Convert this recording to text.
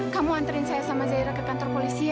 kamu anterin saya sama zahira ke kantor polisi ya